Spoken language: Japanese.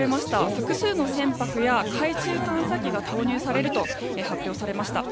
複数の船舶や海中探査機が投入されると発表されました。